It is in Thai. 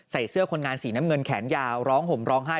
ใส่เสื้อคนงานสีน้ำเงินแขนยาวร้องห่มร้องไห้